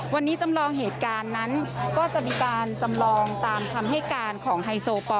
วันนี้จำลองเหตุการณ์นั้นก็จะมีการจำลองตามคำให้การของไฮโซปอล